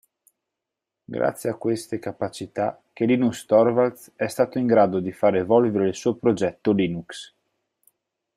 Grazie a queste capacità che Linus Torvalds è stato in grado di far evolvere il suo progetto Linux.